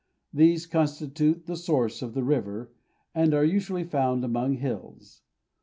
These constitute the source of the river, and are usually found among hills.